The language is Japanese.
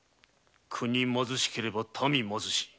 国貧しければ民貧し。